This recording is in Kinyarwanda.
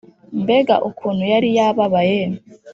Mbega ukuntu yari yababaye!